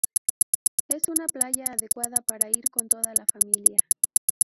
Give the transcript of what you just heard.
Es una playa adecuada para ir con toda la familia.